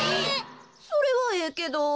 それはええけど。